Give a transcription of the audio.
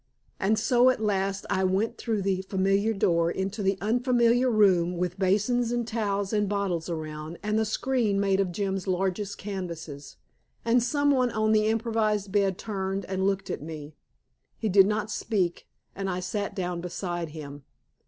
And so at last I went through the familiar door into an unfamiliar room, with basins and towels and bottles around, and a screen made of Jim's largest canvases. And someone on the improvised bed turned and looked at me. He did not speak, and I sat down beside him.